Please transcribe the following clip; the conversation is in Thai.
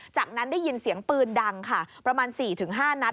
จากนั้นได้ยินเสียงปืนดังค่ะประมาณ๔๕นัด